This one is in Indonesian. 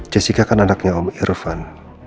jessica kan anaknya om irfan